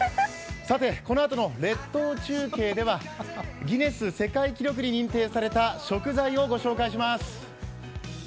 このあとの列島中継ではギネス世界記録に認定された食材を御紹介します。